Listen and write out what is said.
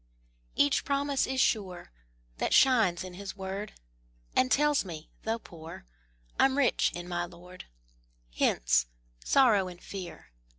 Each promise is sure, That shines in His word, And tells me, though poor, I'm rich in my Lord. Hence! Sorrow and Fear!